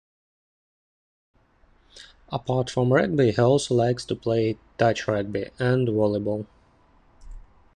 Apart from rugby, he also likes to play touch rugby and volleyball.